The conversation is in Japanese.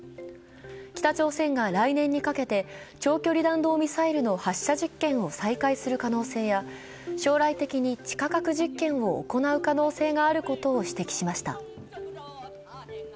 北朝鮮が来年にかけて長距離弾道ミサイルの発射実験を再開する可能性や将来的に地下核実験を行う可能性があることを指摘しました。